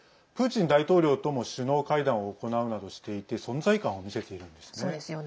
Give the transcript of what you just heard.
プーチン大統領とも首脳会談を行うなどしていて存在感を見せているんですね。